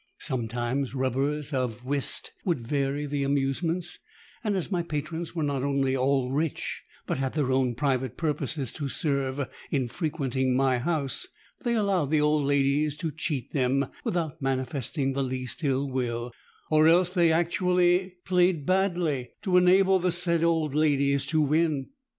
Sometimes rubbers of whist would vary the amusements; and as my patrons were not only all rich, but had their own private purposes to serve in frequenting my house, they allowed the old ladies to cheat them without manifesting the least ill will; or else they actually played badly to enable the said old ladies to win.